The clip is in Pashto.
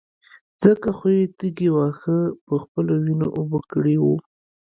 ځکه خو يې تږي واښه په خپلو وينو اوبه کړي وو.